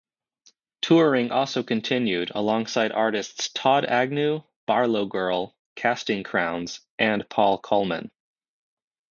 Touring also continued alongside artists Todd Agnew, BarlowGirl, Casting Crowns and Paul Colman.